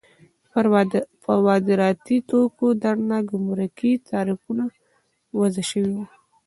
پر وارداتي توکو درنه ګمرکي تعرفه وضع شوې وه.